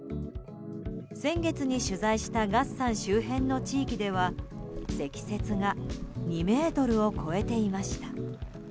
先月に取材した月山周辺の地域では積雪が２ｍを超えていました。